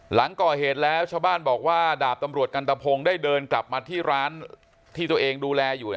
หลังก่อเหตุแล้วชาวบ้านบอกว่าดาบตำรวจกันตะพงศ์ได้เดินกลับมาที่ร้านที่ตัวเองดูแลอยู่